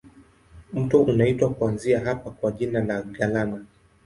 Mto unaitwa kuanzia hapa kwa jina la Galana.